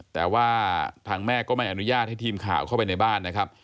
แต่ว่าทางแม่ก็ไม่อนุญาตให้ทีมข่าวเข้าไปในบ้านนะครับ